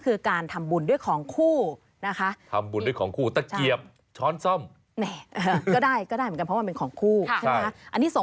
การทำบุญด้วยของคู่นี่ก็เช่นอัตเกียบก็ได้